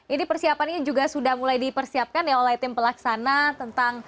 ini persiapannya juga sudah mulai dipersiapkan oleh tim pelaksana